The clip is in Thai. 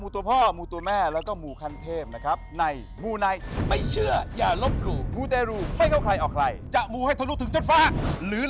ต้องตรงฉินเลย